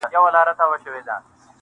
هره ورځ په دروازه کي اردلیان وه.!